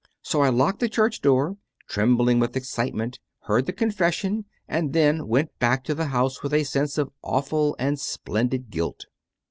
So I locked the church door, trembling with excitement, heard the confession, and then went back to the house with a sense of awful and splendid guilt.